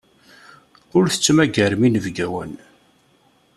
Ur tettmagarem inebgawen.